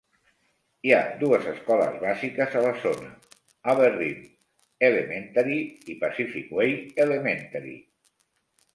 Hi ha dues escoles bàsiques a la zona, Aberdeen Elementary i Pacific Way Elementary.